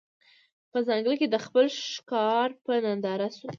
په ځنګله کي د خپل ښکار په ننداره سو